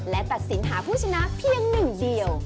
และตัดสินหาผู้ชนะเพียงหนึ่งเดียว